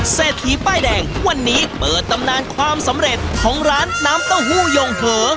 เศรษฐีป้ายแดงวันนี้เปิดตำนานความสำเร็จของร้านน้ำเต้าหู้ยงเผลอ